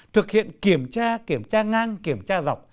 thực hiện kiểm tra kiểm tra ngang kiểm tra dọc